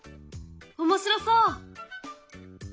面白そう！